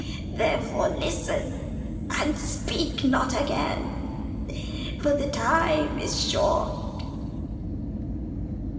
Therefore listen, and speak not again—for the time is short."